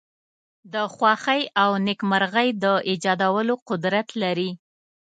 د خوښۍ او نېکمرغی د ایجادولو قدرت لری.